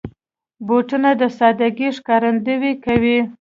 بوټونه د سادګۍ ښکارندويي کوي.